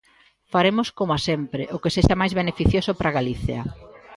Faremos, coma sempre, o que sexa máis beneficioso para Galicia.